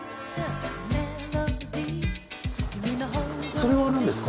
それは何ですか？